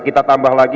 kita tambah lagi